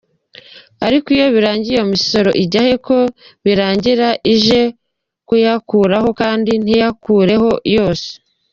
Ariko iyo birangiye iyo misoro ijya he, ko birangira ije kuyakuraho kandi ntiyakureho yose.